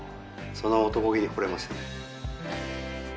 その男気に惚れましたね。